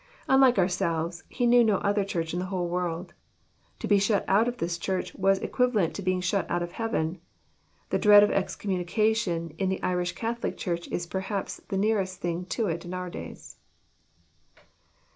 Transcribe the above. Unlike ourselves, he kuew no other Church in the whole world. To be shut out of this Church was equivalent to being shut out of heaven. The dread of excom munication in the Irish Catholic Church is perhaps the near est thing to it in our days.